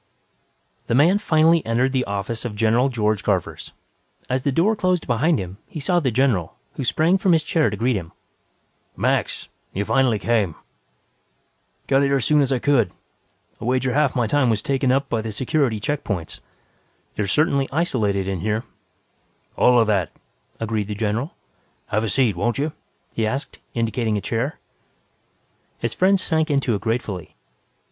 _ The man finally entered the office of General George Garvers. As the door closed behind him, he saw the general, who sprang from his chair to greet him. "Max! You finally came." "Got here as soon as I could. I wager half my time was taken up by the security check points. You are certainly isolated in here." "All of that," agreed the general. "Have a seat, won't you?" he asked, indicating a chair. His friend sank into it gratefully.